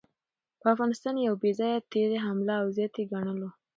په افغانستان يو بې ځايه تېرے، حمله او زياتے ګڼلو